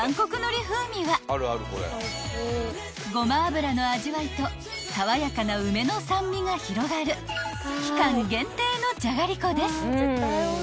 ［ごま油の味わいと爽やかな梅の酸味が広がる期間限定のじゃがりこです］